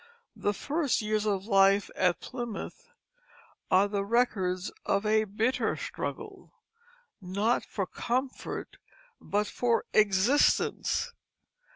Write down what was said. The first years of life at Plymouth are the records of a bitter struggle, not for comfort but for existence.